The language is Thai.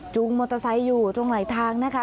จูงมอเตอร์ไซต์อยู่ตรงหลายทางนะคะ